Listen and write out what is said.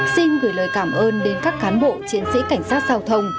xin gửi lời cảm ơn đến các cán bộ chiến sĩ cảnh sát giao thông